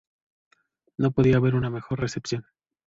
No podía haber una mejor recepción.